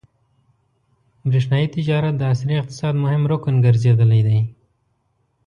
برېښنايي تجارت د عصري اقتصاد مهم رکن ګرځېدلی دی.